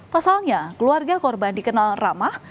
pasalnya keluarga korban dikenal ramah